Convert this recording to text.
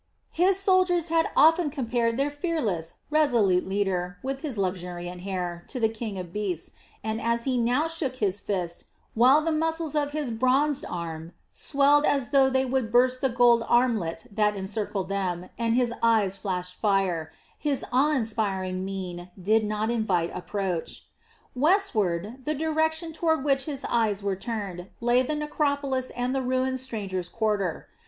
His soldiers had often compared their fearless, resolute leader, with his luxuriant hair, to the king of beasts, and as he now shook his fist, while the muscles of his bronzed arm swelled as though they would burst the gold armlet that encircled them, and his eyes flashed fire, his awe inspiring mien did not invite approach. Westward, the direction toward which his eyes were turned, lay the necropolis and the ruined strangers' quarter.